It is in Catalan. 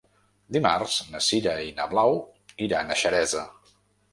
Dimarts na Sira i na Blau iran a Xeresa.